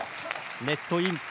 ネットイン。